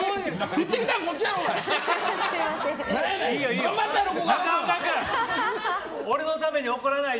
振ってきたのそっちやろがい！